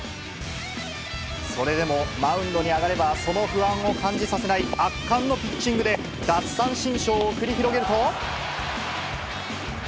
それでもマウンドに上がれば、その不安を感じさせない圧巻のピッチングで、奪三振ショーを繰り広げると。